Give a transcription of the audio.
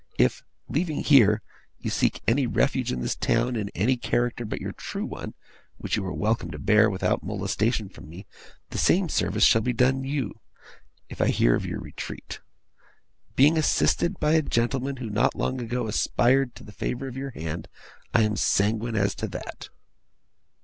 If, leaving here, you seek any refuge in this town in any character but your true one (which you are welcome to bear, without molestation from me), the same service shall be done you, if I hear of your retreat. Being assisted by a gentleman who not long ago aspired to the favour of your hand, I am sanguine as to that.